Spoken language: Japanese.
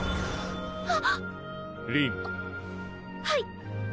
はい。